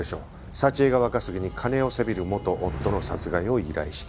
佐知恵が若杉に金をせびる元夫の殺害を依頼した。